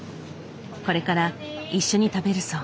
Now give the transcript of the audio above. これから一緒に食べるそう。